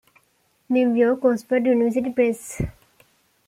New York: Oxford University Press.